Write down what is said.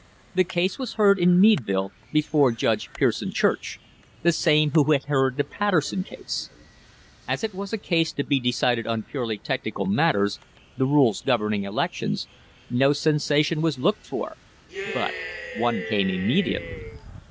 The case was heard in Mead ville before Judge Pierson Church the same who had heard THE FIGHT FOR THE SEABOARD PIPE LINE the Patterson case. As it was a case to be decided on purely technical matters the rules governing elections no sensa tion was looked for, but one came immediately.